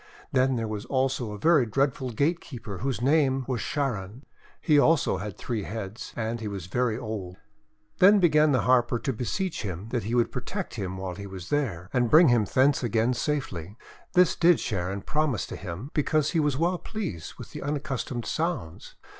Then there was also a very dreadful gate keeper whose name was Charon. He also had three heads and he was very old. THE WONDER GARDEN Then began the Harper to beseech him that he would protect him while he was there, and bring him thence again safely. This did Charon promise to him, because he was well pleased with the unaccustomed sounds.